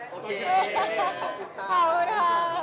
ขอบคุณค่ะ